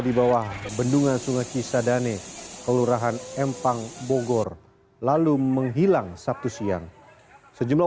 di bawah bendungan sungai cisadane kelurahan empang bogor lalu menghilang sabtu siang sejumlah